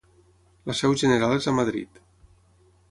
La seu general és a Madrid.